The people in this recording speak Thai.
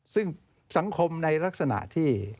ซึ่งสังคมในลักษณะที่